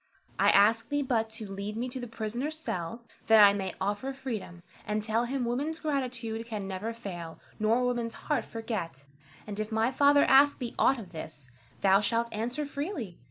I ask thee but to lead me to the prisoner's cell, that I may offer freedom, and tell him woman's gratitude can never fail, nor woman's heart forget. And if my father ask thee aught of this, thou shalt answer freely.